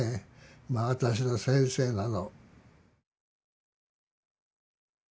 まあ私の先生なの。